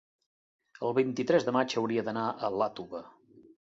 El vint-i-tres de maig hauria d'anar a Iàtova.